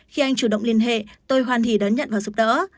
khi anh chủ động liên hệ tôi hoàn thiện đón nhận và giúp đỡ